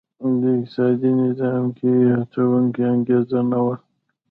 د اقتصادي نظام کې هڅوونکې انګېزه نه وه.